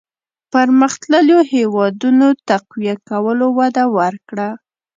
پرمختلليو هېوادونو تقويه کولو وده ورکړه.